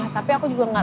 tapi aku juga gak tau